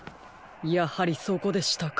やはりそこでしたか。